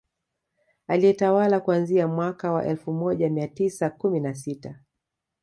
Aliyetawala kuanzia mwaka wa elfu moja mia tisa kumi na sita